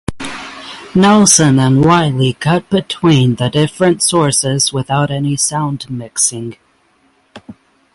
Nelson and Wiley cut between the different sources without any sound mixing.